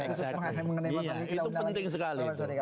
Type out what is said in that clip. itu penting sekali